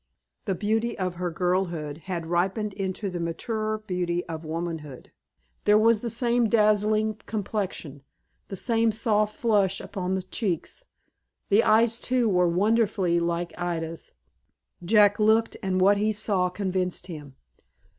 The beauty of her girlhood had ripened into the maturer beauty of womanhood. There was the same dazzling complexion the same soft flush upon the cheeks. The eyes, too, were wonderfully like Ida's. Jack looked, and what he saw convinced him.